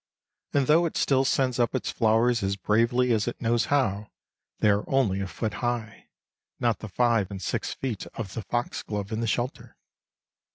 And though it still sends up its flowers as bravely as it knows how, they are only a foot high, not the five and six feet of the foxglove in the shelter.